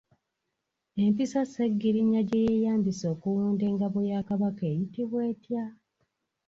Empiso Ssegiriinya gye yeeyambisa okuwunda engabo ya Kabaka eyitibwa etya?